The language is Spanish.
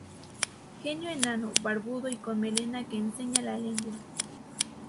Genio enano, barbudo y con melena que enseña la lengua.